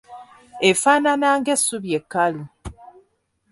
Efaanaana ng’essubi ekkalu.